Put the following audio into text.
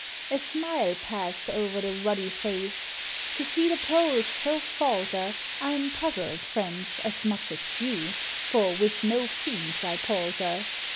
A smile passed o'er the ruddy face: "To see the poles so falter I'm puzzled, friends, as much as you, For with no fiends I palter!